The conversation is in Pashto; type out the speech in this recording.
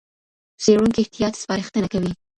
څېړونکي احتیاط سپارښتنه کوي.